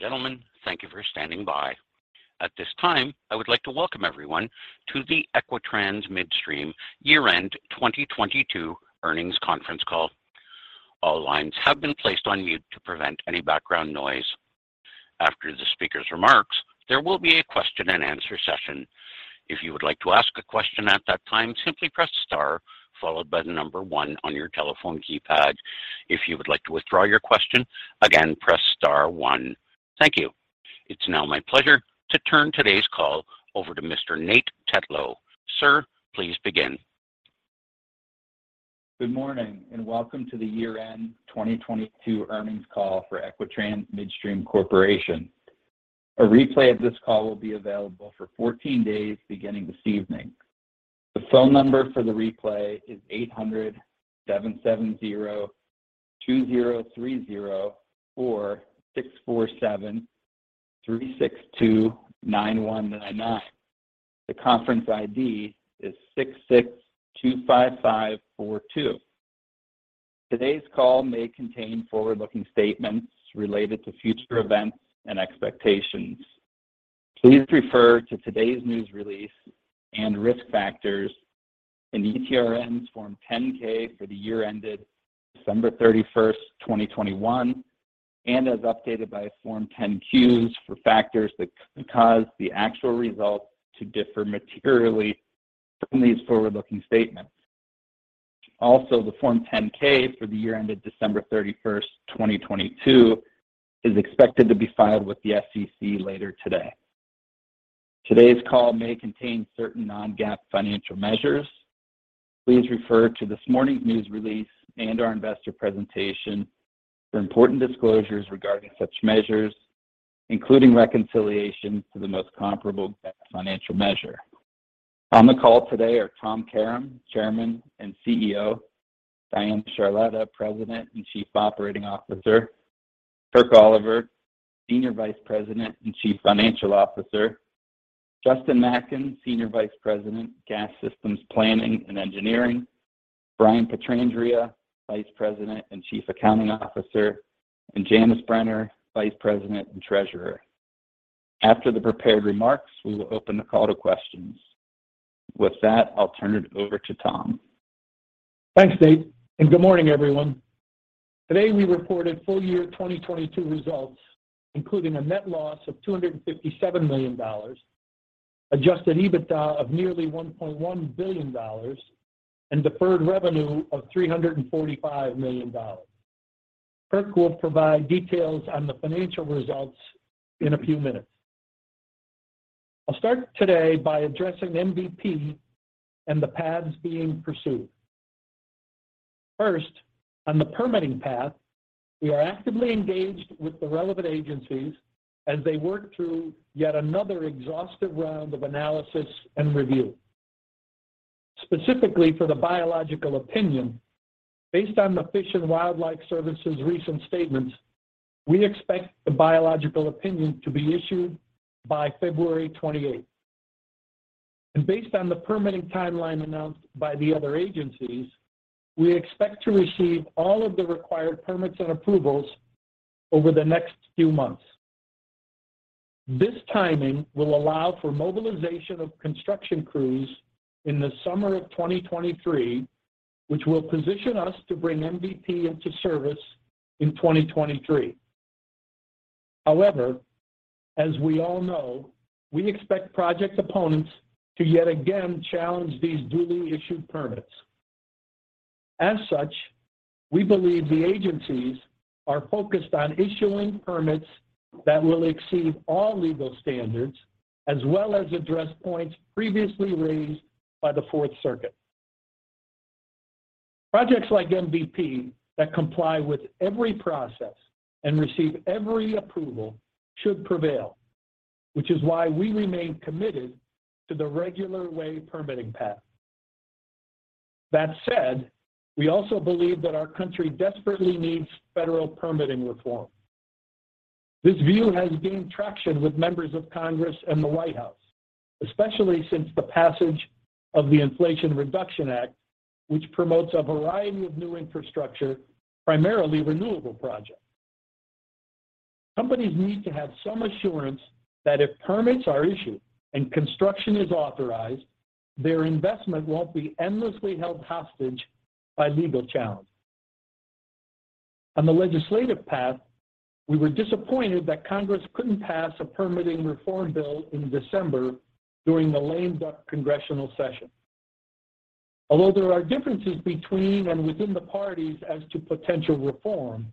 Ladies and gentlemen, thank you for standing by. At this time, I would like to welcome everyone to the Equitrans Midstream year-end 2022 earnings conference call. All lines have been placed on mute to prevent any background noise. After the speaker's remarks, there will be a question and answer session. If you would like to ask a question at that time, simply press star followed by the number one on your telephone keypad. If you would like to withdraw your question, again, press star one. Thank you. It's now my pleasure to turn today's call over to Mr. Nate Tetlow. Sir, please begin. Good morning and welcome to the year-end 2022 earnings call for Equitrans Midstream Corporation. A replay of this call will be available for 14 days beginning this evening. The phone number for the replay is 800-770-2030-4647-3629199. The conference ID is 6625542. Today's call may contain forward-looking statements related to future events and expectations. Please refer to today's news release and risk factors in ETRN's Form 10-K for the year ended December 31st, 2021, and as updated by Form 10-Qs for factors that could cause the actual results to differ materially from these forward-looking statements. The Form 10-K for the year ended December 31st, 2022, is expected to be filed with the SEC later today. Today's call may contain certain non-GAAP financial measures. Please refer to this morning's news release and our investor presentation for important disclosures regarding such measures, including reconciliation to the most comparable GAAP financial measure. On the call today are Tom Karam, Chairman and CEO, Diana Charletta, President and Chief Operating Officer, Kirk Oliver, Senior Vice President and Chief Financial Officer, Justin Macken, Senior Vice President, Gas Systems Planning and Engineering, Brian Pietrandrea, Vice President and Chief Accounting Officer, and Janice Brenner, Vice President and Treasurer. After the prepared remarks, we will open the call to questions. With that, I'll turn it over to Tom. Thanks, Nate, and good morning, everyone. Today we reported full-year 2022 results, including a net loss of $257 million, adjusted EBITDA of nearly $1.1 billion, and deferred revenue of $345 million. Kirk will provide details on the financial results in a few minutes. I'll start today by addressing MVP and the paths being pursued. First, on the permitting path, we are actively engaged with the relevant agencies as they work through yet another exhaustive round of analysis and review. Specifically for the biological opinion, based on the Fish and Wildlife Service's recent statements, we expect the biological opinion to be issued by February 28th. Based on the permitting timeline announced by the other agencies, we expect to receive all of the required permits and approvals over the next few months. This timing will allow for mobilization of construction crews in the summer of 2023, which will position us to bring MVP into service in 2023. As we all know, we expect project opponents to yet again challenge these duly issued permits. As such, we believe the agencies are focused on issuing permits that will exceed all legal standards as well as address points previously raised by the Fourth Circuit. Projects like MVP that comply with every process and receive every approval should prevail, which is why we remain committed to the regular way permitting path. That said, we also believe that our country desperately needs federal permitting reform. This view has gained traction with members of Congress and the White House, especially since the passage of the Inflation Reduction Act, which promotes a variety of new infrastructure, primarily renewable projects. Companies need to have some assurance that if permits are issued and construction is authorized, their investment won't be endlessly held hostage by legal challenge. On the legislative path, we were disappointed that Congress couldn't pass a permitting reform bill in December during the lame duck congressional session. Although there are differences between and within the parties as to potential reform,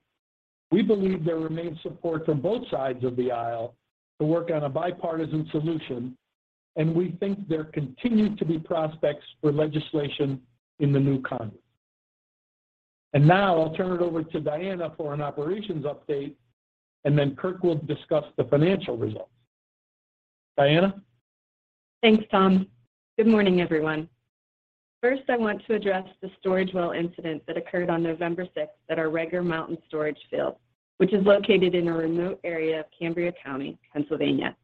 we believe there remains support from both sides of the aisle to work on a bipartisan solution, and we think there continue to be prospects for legislation in the new Congress. Now I'll turn it over to Diana for an operations update, and then Kirk will discuss the financial results. Diana? Thanks, Tom. Good morning, everyone. First, I want to address the storage well incident that occurred on November 6th at our Rager Mountain storage field, which is located in a remote area of Cambria County, Pennsylvania.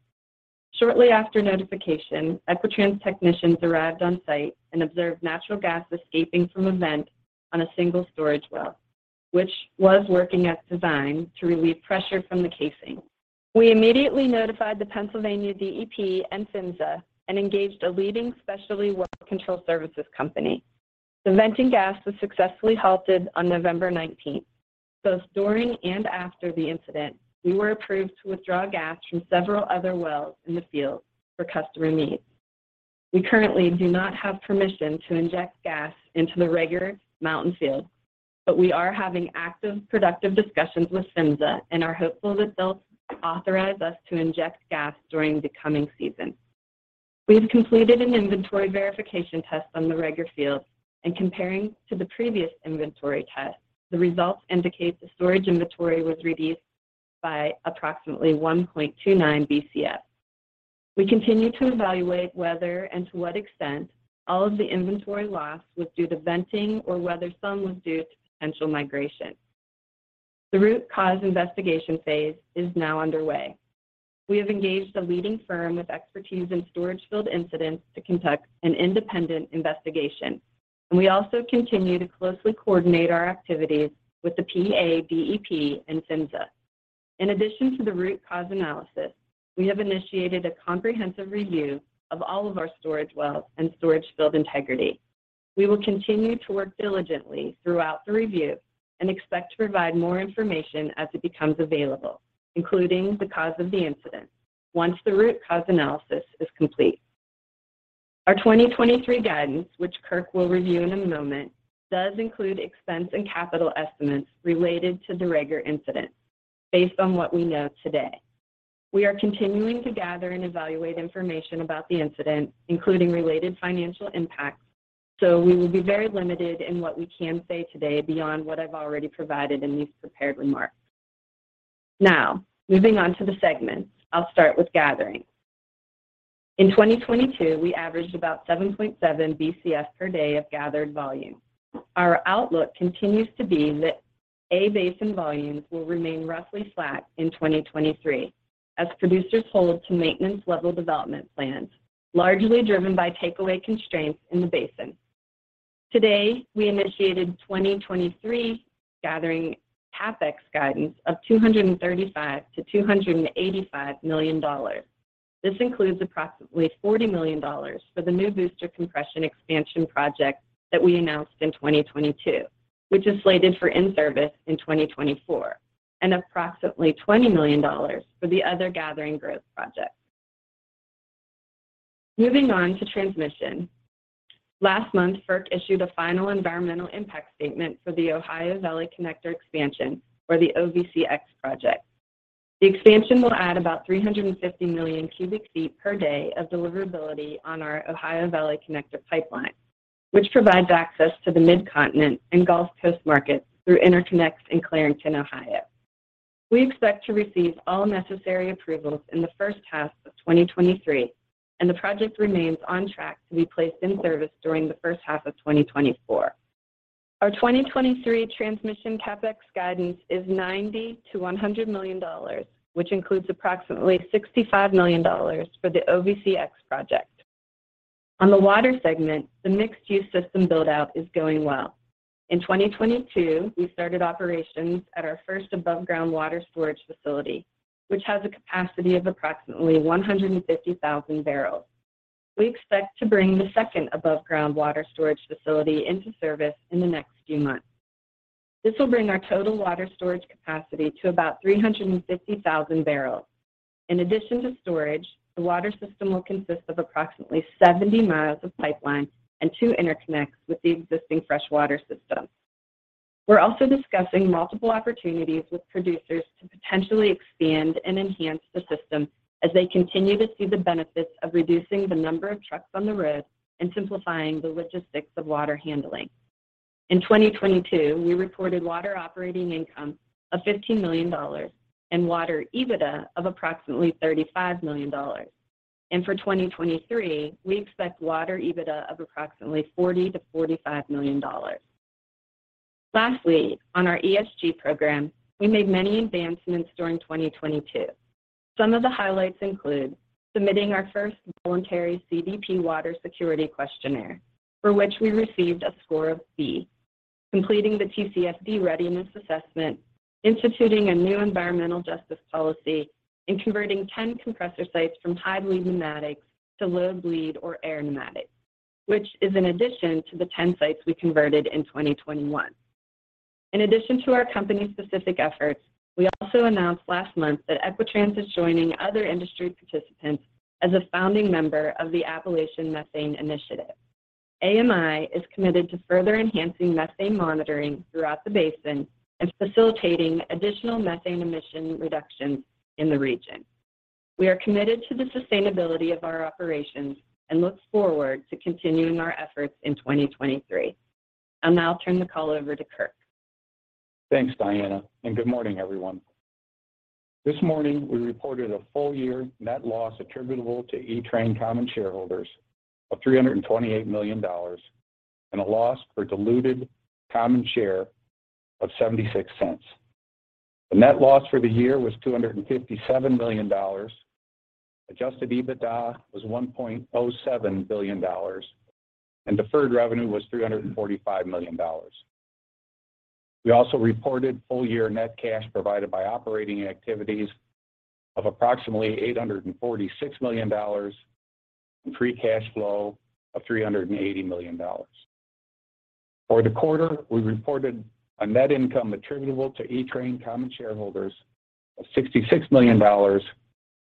Shortly after notification, Equitrans Midstream technicians arrived on site and observed natural gas escaping from a vent on a single storage well, which was working as designed to relieve pressure from the casing. We immediately notified the Pennsylvania DEP and PHMSA and engaged a leading specialty well control services company. The venting gas was successfully halted on November 19th. Both during and after the incident, we were approved to withdraw gas from several other wells in the field for customer needs. We currently do not have permission to inject gas into the Rager Mountain field, but we are having active, productive discussions with PHMSA and are hopeful that they'll authorize us to inject gas during the coming season. We've completed an inventory verification test on the Rager field. Comparing to the previous inventory test, the results indicate the storage inventory was reduced by approximately 1.29 BCF. We continue to evaluate whether and to what extent all of the inventory loss was due to venting or whether some was due to potential migration. The root cause investigation phase is now underway. We have engaged a leading firm with expertise in storage field incidents to conduct an independent investigation. We also continue to closely coordinate our activities with the PADEP and PHMSA. In addition to the root cause analysis, we have initiated a comprehensive review of all of our storage wells and storage field integrity. We will continue to work diligently throughout the review and expect to provide more information as it becomes available, including the cause of the incident once the root cause analysis is complete. Our 2023 guidance, which Kirk will review in a moment, does include expense and capital estimates related to the Rager incident based on what we know today. We are continuing to gather and evaluate information about the incident, including related financial impacts, so we will be very limited in what we can say today beyond what I've already provided in these prepared remarks. Moving on to the segments. I'll start with gathering. In 2022, we averaged about 7.7 BCF per day of gathered volume. Our outlook continues to be that A Basin volumes will remain roughly flat in 2023 as producers hold to maintenance-level development plans, largely driven by takeaway constraints in the basin. Today, we initiated 2023 gathering CapEx guidance of $235 million-$285 million. This includes approximately $40 million for the new booster compression expansion project that we announced in 2022, which is slated for in-service in 2024, and approximately $20 million for the other gathering growth projects. Moving on to transmission. Last month, FERC issued a final environmental impact statement for the Ohio Valley Connector expansion for the OVCX project. The expansion will add about 350 million cubic feet per day of deliverability on our Ohio Valley Connector pipeline, which provides access to the Midcontinent and Gulf Coast markets through interconnects in Clarington, Ohio. We expect to receive all necessary approvals in the first half of 2023, and the project remains on track to be placed in service during the first half of 2024. Our 2023 transmission CapEx guidance is $90 million-$100 million, which includes approximately $65 million for the OVCX project. On the water segment, the mixed-use system build-out is going well. In 2022, we started operations at our first above-ground water storage facility, which has a capacity of approximately 150,000 barrels. We expect to bring the second above-ground water storage facility into service in the next few months. This will bring our total water storage capacity to about 350,000 barrels. In addition to storage, the water system will consist of approximately 70 M of pipeline and two interconnects with the existing freshwater system. We're also discussing multiple opportunities with producers to potentially expand and enhance the system as they continue to see the benefits of reducing the number of trucks on the road and simplifying the logistics of water handling. In 2022, we reported water operating income of $15 million and water EBITDA of approximately $35 million. For 2023, we expect water EBITDA of approximately $40 million-$45 million. Lastly, on our ESG program, we made many advancements during 2022. Some of the highlights include submitting our first voluntary CDP water security questionnaire, for which we received a score of B, completing the TCFD readiness assessment, instituting a new environmental justice policy, and converting 10 compressor sites from high bleed pneumatics to low bleed or air pneumatics, which is in addition to the 10 sites we converted in 2021. In addition to our company-specific efforts, we also announced last month that Equitrans is joining other industry participants as a founding member of the Appalachian Methane Initiative. AMI is committed to further enhancing methane monitoring throughout the Appalachian Basin and facilitating additional methane emission reductions in the region. We are committed to the sustainability of our operations and look forward to continuing our efforts in 2023. I'll now turn the call over to Kirk. Thanks, Diana, and good morning, everyone. This morning, we reported a full-year net loss attributable to ETRN common shareholders of $328 million and a loss per diluted common share of $0.76. The net loss for the year was $257 million. Adjusted EBITDA was $1.07 billion, and deferred revenue was $345 million. We also reported full year net cash provided by operating activities of approximately $846 million and free cash flow of $380 million. For the quarter, we reported a net income attributable to ETRN common shareholders of $66 million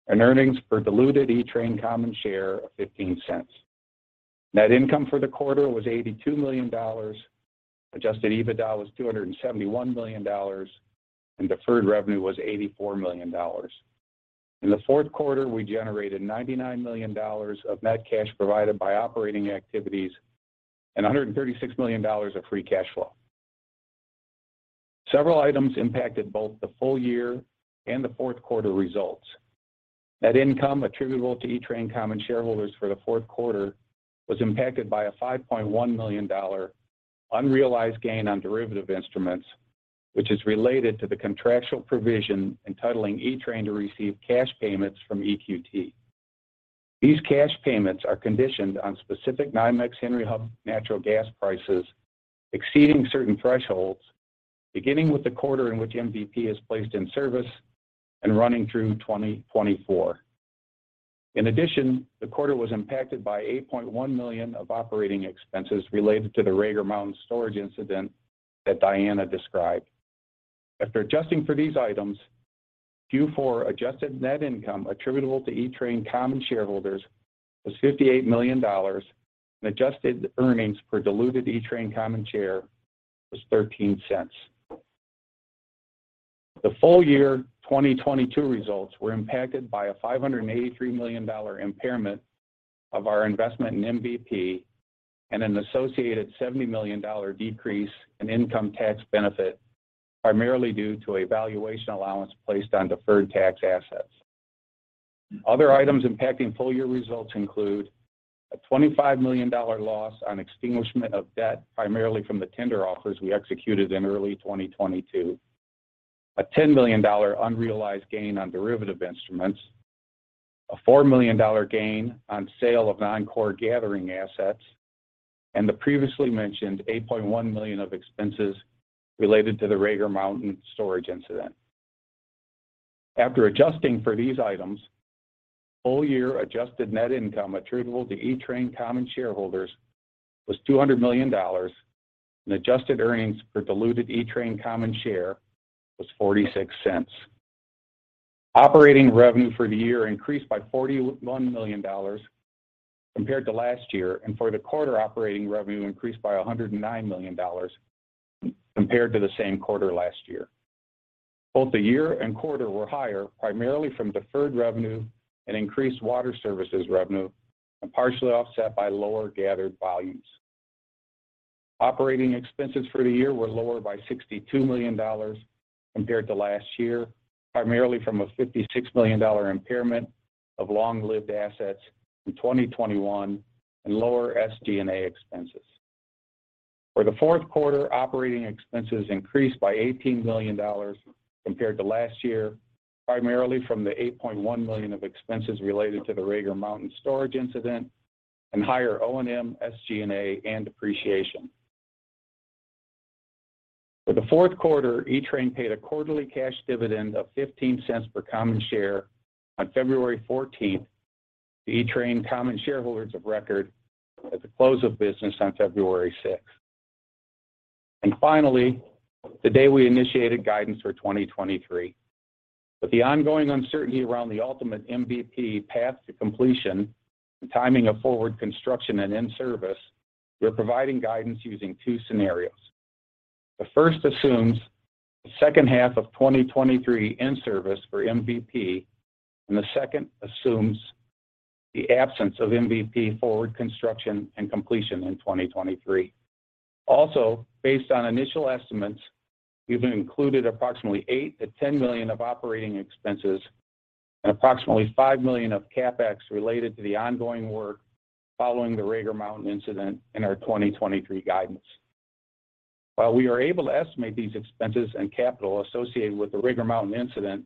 and earnings per diluted ETRN common share of $0.15. Net income for the quarter was $82 million, adjusted EBITDA was $271 million, deferred revenue was $84 million. In the Q4, we generated $99 million of net cash provided by operating activities and $136 million of free cash flow. Several items impacted both the full year and the fourth quarter results. Net income attributable to ETRN common shareholders for the Q4 was impacted by a $5.1 million unrealized gain on derivative instruments, which is related to the contractual provision entitling ETRN to receive cash payments from EQT. These cash payments are conditioned on specific NYMEX Henry Hub natural gas prices exceeding certain thresholds, beginning with the quarter in which MVP is placed in service and running through 2024. In addition, the quarter was impacted by $8.1 million of operating expenses related to the Rager Mountain storage incident that Diana described. After adjusting for these items, Q4 adjusted net income attributable to ETRN common shareholders was $58 million, and adjusted earnings per diluted ETRN common share was $0.13. The full year 2022 results were impacted by a $583 million impairment of our investment in MVP and an associated $70 million decrease in income tax benefit, primarily due to a valuation allowance placed on deferred tax assets. Other items impacting full year results include a $25 million loss on extinguishment of debt, primarily from the tender offers we executed in early 2022, a $10 million unrealized gain on derivative instruments, a $4 million gain on sale of non-core gathering assets, and the previously mentioned $8.1 million of expenses related to the Rager Mountain storage incident. After adjusting for these items, full year adjusted net income attributable to ETRN common shareholders was $200 million, and adjusted earnings per diluted ETRN common share was $0.46. Operating revenue for the year increased by $41 million compared to last year, and for the quarter, operating revenue increased by $109 million compared to the same quarter last year. Both the year and quarter were higher, primarily from deferred revenue and increased water services revenue, and partially offset by lower gathered volumes. Operating expenses for the year were lower by $62 million compared to last year, primarily from a $56 million impairment of long-lived assets in 2021 and lower SG&A expenses. For the fourth quarter, operating expenses increased by $18 million compared to last year, primarily from the $8.1 million of expenses related to the Rager Mountain storage incident and higher O&M, SG&A, and depreciation. For the Q4, ETRN paid a quarterly cash dividend of $0.15 per common share on February 14th to ETRN common shareholders of record at the close of business on February 6th. Finally, today we initiated guidance for 2023. With the ongoing uncertainty around the ultimate MVP path to completion and timing of forward construction and in-service, we're providing guidance using two scenarios. The first assumes the second half of 2023 in service for MVP. The second assumes the absence of MVP forward construction and completion in 2023. Based on initial estimates, we've included approximately $8 million-$10 million of operating expenses and approximately $5 million of CapEx related to the ongoing work following the Rager Mountain incident in our 2023 guidance. While we are able to estimate these expenses and capital associated with the Rager Mountain incident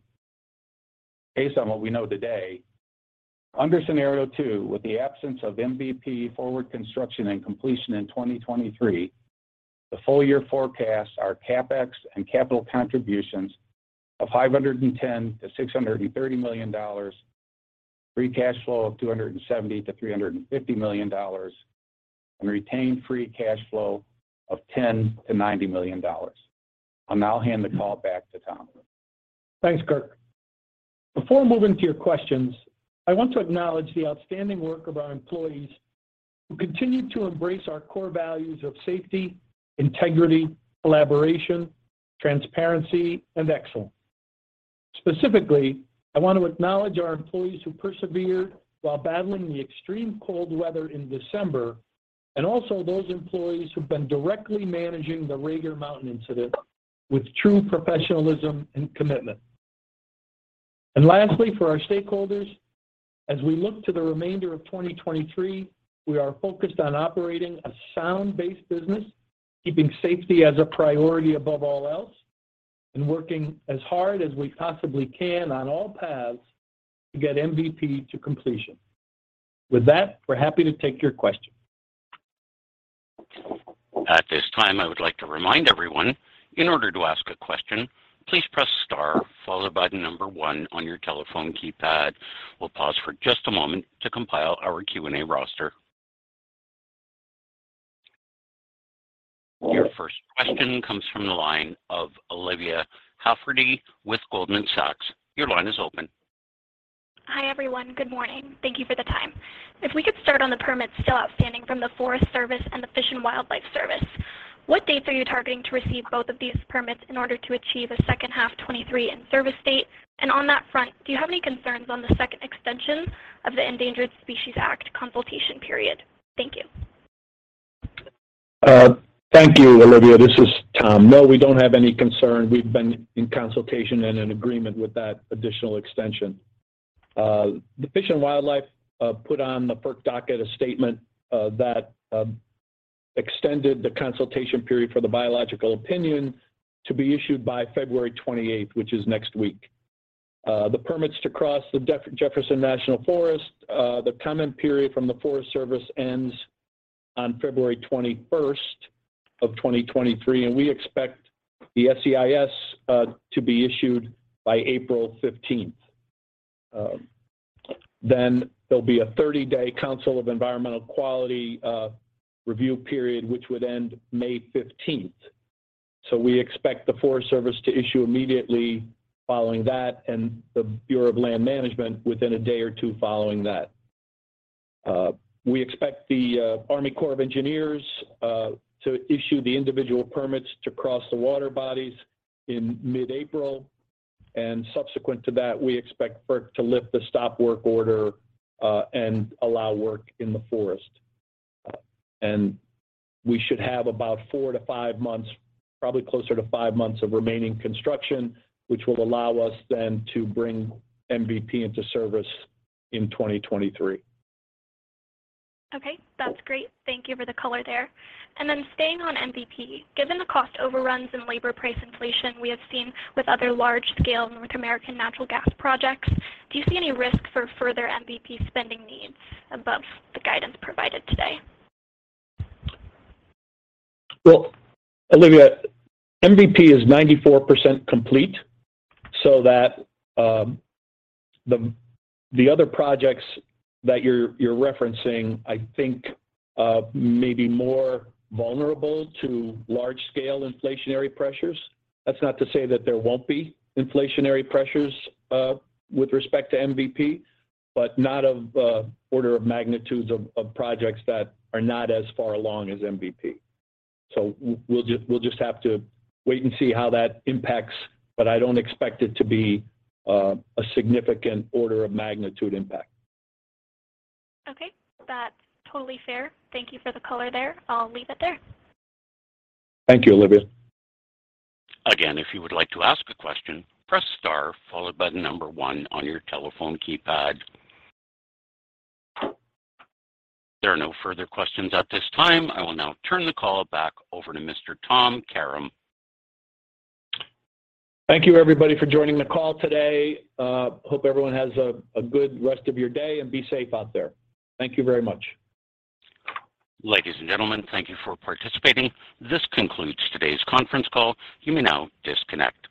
based on what we know today, under scenario two, with the absence of MVP forward construction and completion in 2023, the full year forecasts are CapEx and capital contributions of $510 million-$630 million, free cash flow of $270 million-$350 million, and retained free cash flow of $10 million-$90 million. I'll now hand the call back to Tom. Thanks, Kirk. Before moving to your questions, I want to acknowledge the outstanding work of our employees who continue to embrace our core values of safety, integrity, collaboration, transparency, and excellence. Specifically, I want to acknowledge our employees who persevered while battling the extreme cold weather in December, also those employees who've been directly managing the Rager Mountain incident with true professionalism and commitment. Lastly, for our stakeholders, as we look to the remainder of 2023, we are focused on operating a sound-based business, keeping safety as a priority above all else, and working as hard as we possibly can on all paths to get MVP to completion. With that, we're happy to take your question. At this time, I would like to remind everyone, in order to ask a question, please press star followed by the number one on your telephone keypad. We'll pause for just a moment to compile our Q&A roster. Your first question comes from the line of Olivia Halferty with Goldman Sachs. Your line is open. Hi, everyone. Good morning. Thank you for the time. If we could start on the permits still outstanding from the Forest Service and the Fish and Wildlife Service, what dates are you targeting to receive both of these permits in order to achieve a second-half 2023 in-service date? On that front, do you have any concerns on the second extension of the Endangered Species Act consultation period? Thank you. Thank you, Olivia. This is Tom. We don't have any concern. We've been in consultation and in agreement with that additional extension. The Fish and Wildlife put on the FERC docket a statement that extended the consultation period for the biological opinion to be issued by February 28th, which is next week. The permits to cross the Jefferson National Forest, the comment period from the Forest Service ends on February 21st of 2023. We expect the SEIS to be issued by April 15th. There'll be a 30-day Council on Environmental Quality review period, which would end May 15th. We expect the Forest Service to issue immediately following that and the Bureau of Land Management within a day or two following that. We expect the Army Corps of Engineers to issue the individual permits to cross the water bodies in mid-April. Subsequent to that, we expect FERC to lift the stop work order and allow work in the forest. We should have about four to five months, probably closer to five months of remaining construction, which will allow us then to bring MVP into service in 2023. Okay, that's great. Thank you for the color there. Staying on MVP, given the cost overruns and labor price inflation we have seen with other large-scale North American natural gas projects, do you see any risk for further MVP spending needs above the guidance provided today? Olivia, MVP is 94% complete, that the other projects that you're referencing, I think, may be more vulnerable to large-scale inflationary pressures. That's not to say that there won't be inflationary pressures with respect to MVP, but not of order of magnitudes of projects that are not as far along as MVP. We'll just have to wait and see how that impacts, but I don't expect it to be a significant order of magnitude impact. Okay. That's totally fair. Thank you for the color there. I'll leave it there. Thank you, Olivia. Again, if you would like to ask a question, press star followed by the number one on your telephone keypad. If there are no further questions at this time, I will now turn the call back over to Mr. Tom Karam. Thank you, everybody, for joining the call today. Hope everyone has a good rest of your day and be safe out there. Thank you very much. Ladies and gentlemen, thank you for participating. This concludes today's conference call. You may now disconnect.